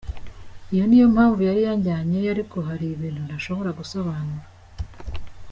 Iyo ni yo mpamvu yari yanjyanyeyo ariko hari ibintu ntashobora gusobanura.